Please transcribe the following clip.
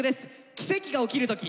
「奇跡が起きるとき」。